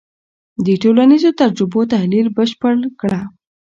د ټولنیزو تجربو تحلیل بشپړ کړه.